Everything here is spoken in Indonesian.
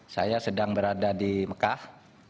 saya sedang berada di mekah